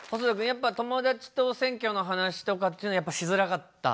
やっぱり友達と選挙の話とかっていうのはやっぱりしづらかった？